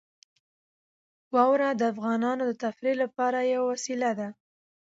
واوره د افغانانو د تفریح لپاره یوه وسیله ده.